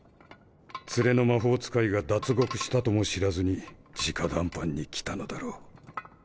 連れの魔法使いが脱獄したとも知らずに直談判に来たのだろう。